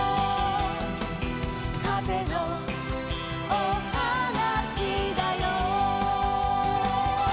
「かぜのおはなしだよ」